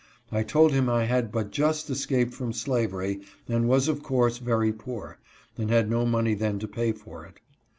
I told him I had but just escaped from slavery and was of course very poor, and had no money then to pay for it.